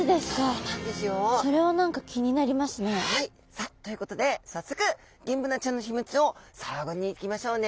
さあということで早速ギンブナちゃんの秘密を探りに行きましょうね。